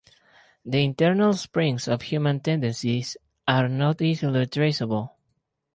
The internal springs of human tendencies are not easily traceable.